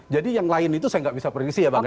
jadi yang lain itu saya gak bisa prediksi ya bang ya